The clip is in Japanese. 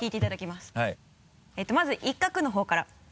まず１画の方から。